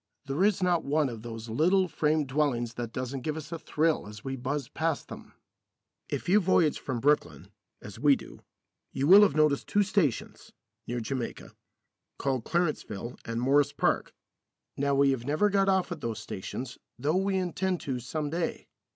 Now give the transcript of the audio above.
There is not one of those little frame dwellings that doesn't give us a thrill as we buzz past them. If you voyage from Brooklyn, as we do, you will have noticed two stations (near Jamaica) called Clarenceville and Morris Park. Now we have never got off at those stations, though we intend to some day.